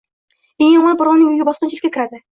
Eng yomoni, birovning uyiga bosqinchilikka kiriadi.